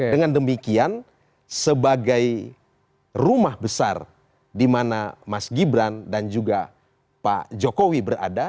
dengan demikian sebagai rumah besar di mana mas gibran dan juga pak jokowi berada